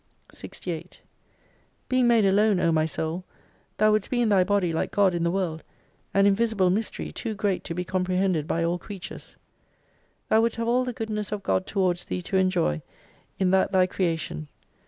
68 Being made alone, O my Soul, thou wouldst be in thy body like God in the World, an invisible mystery, too great to be comprehended by all creatures. Thou wouldst have all the Goodness of God towards thee to enjoy, in that thy Creation.